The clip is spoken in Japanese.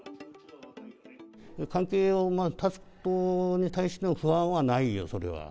関係を断つことに対しての不安はないよ、それは。